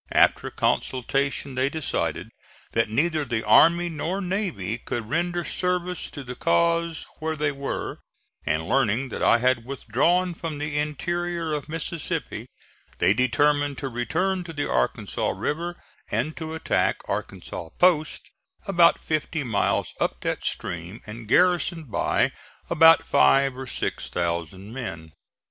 After consultation they decided that neither the army nor navy could render service to the cause where they were, and learning that I had withdrawn from the interior of Mississippi, they determined to return to the Arkansas River and to attack Arkansas Post, about fifty miles up that stream and garrisoned by about five or six thousand men.